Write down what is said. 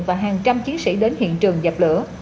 và hàng trăm chiến sĩ đến hiện trường dập lửa